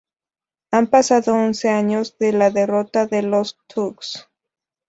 Han pasado once años de la derrota de los Thugs.